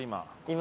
今。